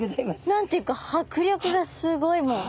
何て言うか迫力がすごいもう。